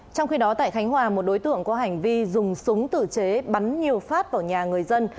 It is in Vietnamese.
trong khi đó tại khánh hòa một đối tượng có hành vi dùng súng tự chế bắn nhiều phát vào nhà người dân